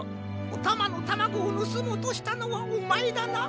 おたまのタマゴをぬすもうとしたのはおまえだな？